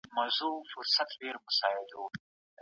ایا مسلکي بڼوال انځر پلوري؟